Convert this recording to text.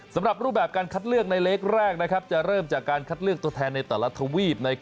สำหรับรูปแบบการคัดเลือกในเล็กแรกจะเริ่มจากการคัดเลือกตัวแทนในแต่ละทวีป